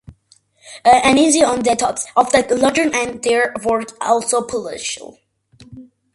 An essay on the topic of the laureate and their work is also published.